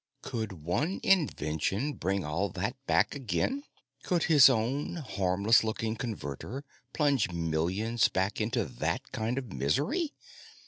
Could one invention bring all that back again? Could his own harmless looking Converter plunge millions back into that kind of misery?